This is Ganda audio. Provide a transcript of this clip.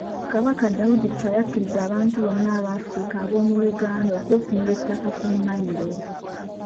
Kabaka Daudi Chwa yakkiriza abantu bonna Abafrika ab'omu Uganda okwefunira ettaka ku mailo.